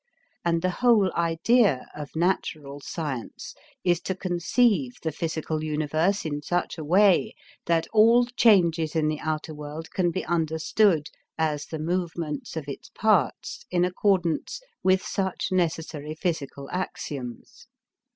And the whole idea of natural science is to conceive the physical universe in such a way that all changes in the outer world can be understood as the movements of its parts in accordance with such necessary physical axioms.